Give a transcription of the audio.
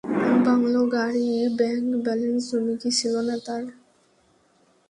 Bungalow, গাড়ি, bank balance, জমি কী ছিলো না তার!